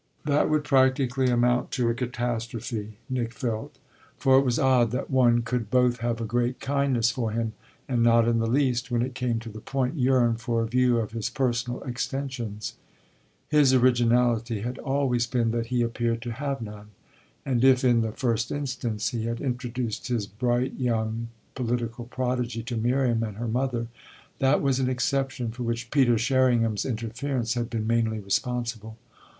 That would practically amount to a catastrophe, Nick felt; for it was odd that one could both have a great kindness for him and not in the least, when it came to the point, yearn for a view of his personal extensions. His originality had always been that he appeared to have none; and if in the first instance he had introduced his bright, young, political prodigy to Miriam and her mother, that was an exception for which Peter Sherringham's interference had been mainly responsible.